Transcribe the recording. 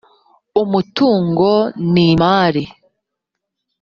umutungo n’imari